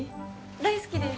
大好きです。